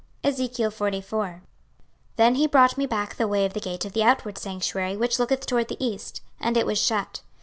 26:044:001 Then he brought me back the way of the gate of the outward sanctuary which looketh toward the east; and it was shut.